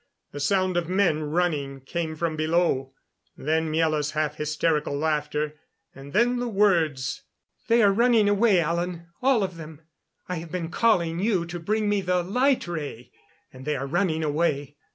The sound of men running came from below. Then Miela's half hysterical laughter, and then the words: "They are running away, Alan all of them. I have been calling you to bring me the light ray. And they are running away."